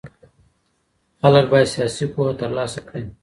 خلګ بايد سياسي پوهه ترلاسه کړي.